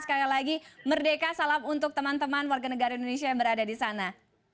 sekali lagi merdeka salam untuk teman teman warga negara indonesia yang berada di sana